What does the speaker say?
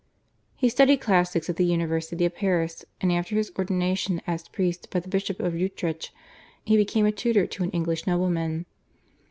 He studied classics at the University of Paris, and after his ordination as priest by the Bishop of Utrecht he became a tutor to an English nobleman.